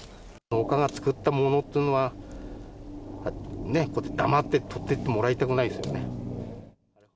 農家が作ったものっていうのは、黙ってとっていってもらいたくないですよね。